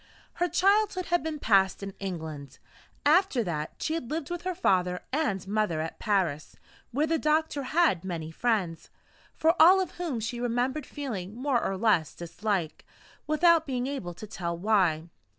Her childhood had been passed in England. After that, she had lived with her father and mother at Paris, where the doctor had many friends for all of whom she remembered feeling more or less dislike, without being able to tell why.